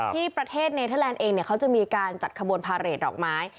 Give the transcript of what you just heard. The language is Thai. ที่ประเทศเนเทอร์แลนด์เองเขาจะมีการจัดขบวนพาเรทดอกไม้